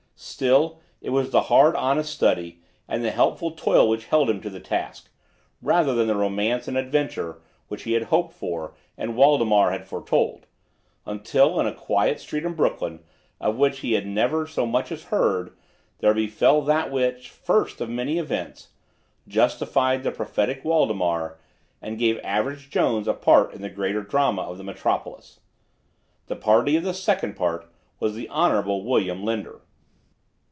Still it was the hard, honest study, and the helpful toil which held him to his task, rather than the romance and adventure which he had hoped for and Waldemar had foretold—until, in a quiet, street in Brooklyn, of which he had never so much as heard, there befell that which, first of many events, justified the prophetic Waldemar and gave Average Jones a part in the greater drama of the metropolis. The party of the second part was the Honorable William Linder.